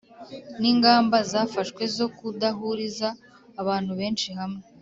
N’ingamba zafashwe zo kudahuriza abantu benshi hamwe